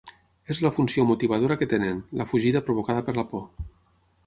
És la funció motivadora que tenen: la fugida provocada per la por.